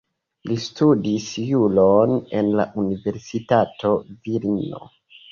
Li studis juron en la Universitato Vilno.